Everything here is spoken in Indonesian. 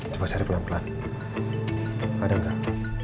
coba cari pelan pelan kadang nggak